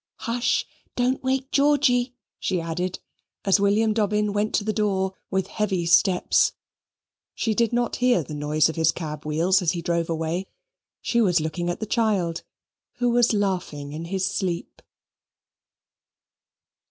"Hush! Don't wake Georgy!" she added, as William Dobbin went to the door with heavy steps. She did not hear the noise of his cab wheels as he drove away: she was looking at the child, who was laughing in his sleep.